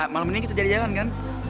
malam ini kita jadi jalan kan